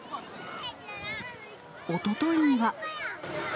おとといには。